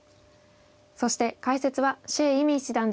そして解説は謝依旻七段です。